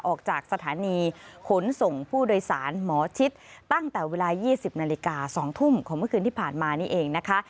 ออกจากสถานีขนส่งผู้โดยสารหมอชิดตั้งแต่เวลา๒๐นาฬิกา๒ทุ่มของเมื่อคืนที่ผ่านมานี่เองนะคะ